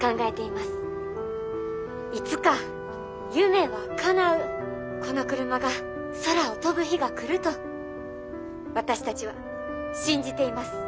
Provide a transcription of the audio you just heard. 「いつか夢はかなうこのクルマが空を飛ぶ日が来ると私たちは信じています」。